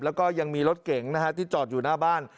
แล้วก็ยังมีรถเก๋งที่จอดอยู่หน้าบ้าน